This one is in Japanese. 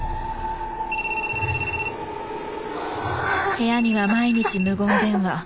部屋には毎日無言電話。